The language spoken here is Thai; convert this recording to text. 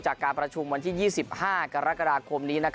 จากการประชุมวันที่๒๕กรกฎาคมนี้